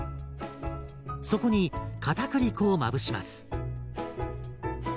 そこにかたくり粉をまぶします。